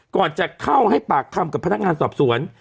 ก่อนจะเข้าให้ปากคำกับพนักงานสอบสวน